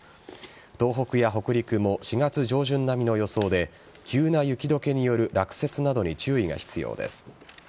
東北や北陸も４月上旬並みの予想で急な雪解けによる落雪などに注意が必要です。